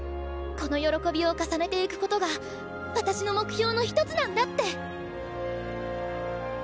この喜びを重ねていくことが私の目標の一つなんだって！